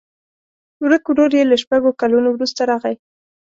ورک ورور یې له شپږو کلونو وروسته راغی.